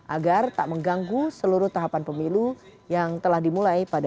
agar tak mengganggu seluruh tahapan pemilu yang telah dimulai pada dua ribu dua puluh